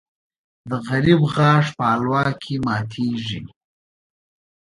د غریب غاښ په حلوا کې ماتېږي .